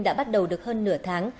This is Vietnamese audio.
đã bắt đầu được hơn nửa tháng